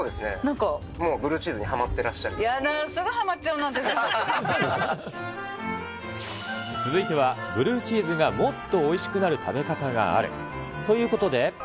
もうブルーチーズにハマってやだー、続いてはブルーチーズがもっとおいしくなる食べ方があるということで。